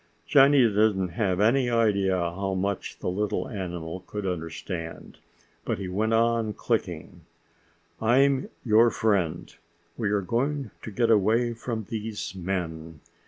Johnny didn't have any idea how much the little animal could understand, but he went on clicking. "I'm your friend. We are going to get away from these men."